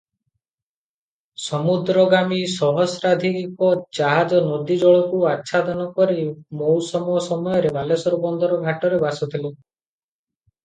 ସମୁଦ୍ରଗାମୀ ସହସ୍ରାଧିକ ଜାହାଜ ନଦୀ ଜଳକୁ ଆଚ୍ଛାଦନ କରି ମଉସମ ସମୟରେ ବାଲେଶ୍ୱର ବନ୍ଦର ଘାଟରେ ଭାସୁଥିଲେ ।